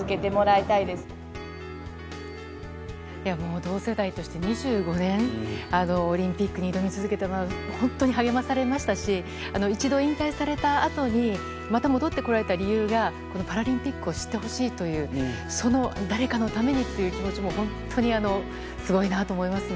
同世代として２５年オリンピックに挑み続けたのは本当に励まされましたし一度引退されたあとにまた戻ってこられた理由がこのパラリンピックを知ってほしいというその誰かのためにという気持ちも本当にすごいなと思いますね。